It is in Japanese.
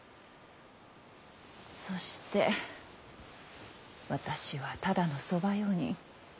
そして私はただの側用人。